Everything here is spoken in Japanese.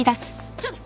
ちょっと。